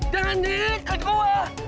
jangan diingat gua